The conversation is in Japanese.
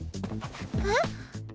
えっ？